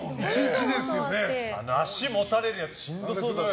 足、持たれるやつしんどそうだな。